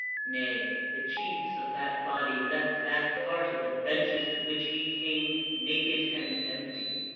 Nay, the chiefs of that body left that part of the benches to which he came naked and empty.